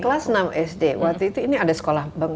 kelas enam sd waktu itu ini ada sekolah